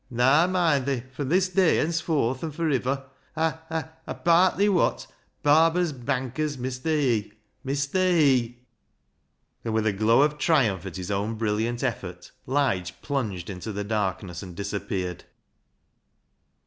Naa, moind thi, fro' this day henceforth an' for iver — a a — partly wot, Ben Barber's banker's IMestur Hee — Mestur Hee." And with a glow of triumph at his own brilliant effort, Lige plunged into the darkness and disappeared.